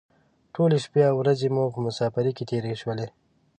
ټولې شپې او ورځې مو په مسافرۍ کې تېرې شولې.